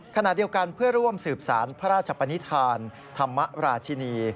ขณะเดียวกันเพื่อร่วมสืบสารพระราชปนิษฐานธรรมราชินี